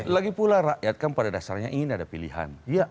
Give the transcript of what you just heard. lagi pula rakyat kan pada dasarnya ingin ada pilihan